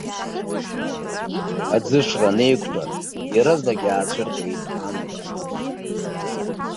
Аӡышра анеиқәтәа, иаразнак иаацәырҟьеит амла!